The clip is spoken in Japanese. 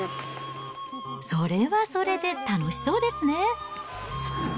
それはそれで、楽しそうですね。